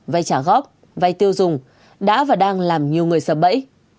vay trả góp vay tiêu dùng đã và đang làm nhiều người sợ bẫy